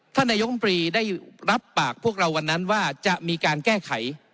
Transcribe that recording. นายกรรมตรีได้รับปากพวกเราวันนั้นว่าจะมีการแก้ไข